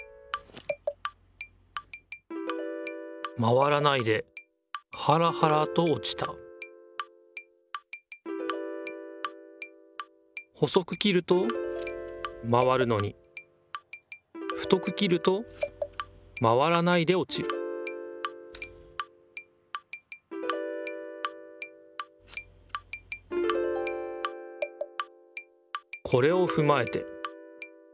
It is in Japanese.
まわらないでハラハラとおちた細く切るとまわるのに太く切るとまわらないでおちるこれをふまえて。